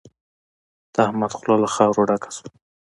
د احمد خوله له خاورو ډکه شوه.